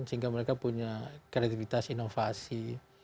sehingga mereka punya kreativitas inovasi